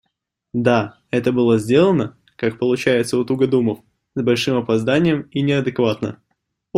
Да, это было сделано, как получается у тугодумов, с большим опозданием и неадекватно.